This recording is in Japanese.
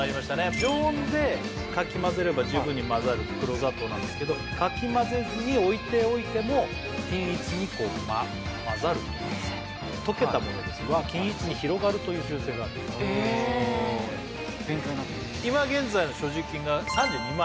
常温でかき混ぜれば十分に混ざる黒砂糖なんですけどかき混ぜずに置いておいても均一にこう混ざると溶けたものは均一に広がるという習性がある勉強になった今現在の所持金が３２万